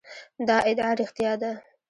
دا ادعا رښتیا ده.